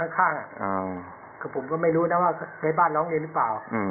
นะครับเฮ้ยเอ้ยเคยชินชายบ้านร้องเงลหรือเปล่า